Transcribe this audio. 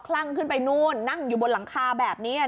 ลั่งขึ้นไปนู่นนั่งอยู่บนหลังคาแบบนี้